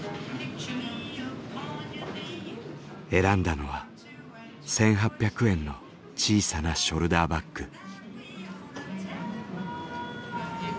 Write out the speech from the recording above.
選んだのは１，８００円の小さなショルダーバッグ。